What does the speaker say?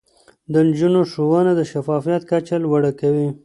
د نجونو ښوونه د شفافيت کچه لوړه کوي.